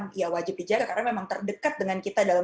satu hal yang ya wajib dijaga karena memang terdekat dengan kita dalam